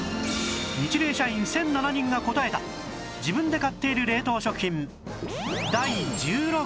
ニチレイ社員１００７人が答えた自分で買っている冷凍食品